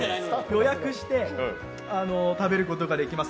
予約して食べることができます。